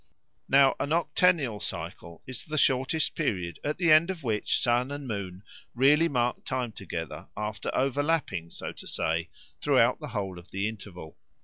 Now an octennial cycle is the shortest period at the end of which sun and moon really mark time together after overlapping, so to say, throughout the whole of the interval.